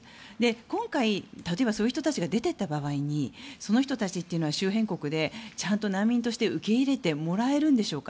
今回、例えばそういう人たちが出ていった場合にその人たちが周辺国でちゃんと難民として受け入れてもらえるんでしょうか。